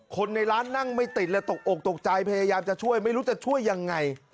คนในร้านนั่งไม่ติดเลยตกอกตกใจพยายามจะช่วยไม่รู้จะช่วยยังไง